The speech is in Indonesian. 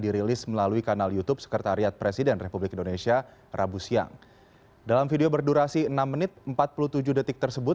dalam video berdurasi enam menit empat puluh tujuh detik tersebut